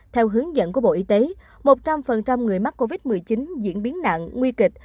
theo hướng dẫn của bộ y tế một trăm linh người mắc covid một mươi chín diễn biến nặng nguy kịch